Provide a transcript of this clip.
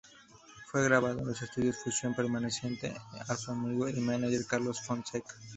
Fue grabado en los estudios Fusión perteneciente a su amigo y mánager Carlos Fonseca.